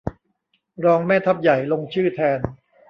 รองแม่ทัพใหญ่ ลงชื่อแทน